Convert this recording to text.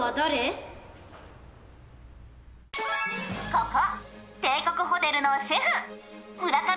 「ここ」